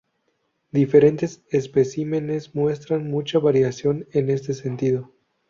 Diferentes especímenes muestran mucha variación en este sentido.